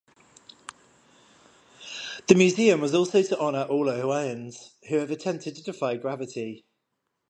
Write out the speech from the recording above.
The museum also was to honor all Ohioans who have attempted to defy gravity.